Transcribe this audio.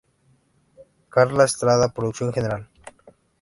Karla Estrada: Producción general.